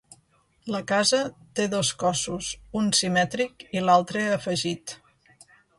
La casa té dos cossos, un simètric i l'altre afegit.